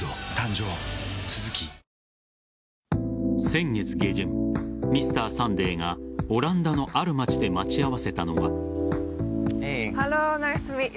先月下旬「Ｍｒ．サンデー」がオランダのある街で待ち合わせたのは。